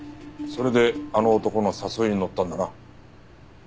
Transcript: それであの男の誘いにのったんだな。